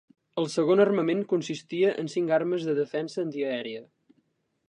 El segon armament consistia en cinc armes de defensa antiaèria.